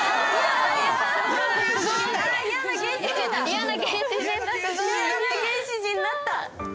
嫌な原始人になった。